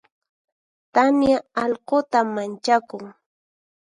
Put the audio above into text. Tania allquta manchakun.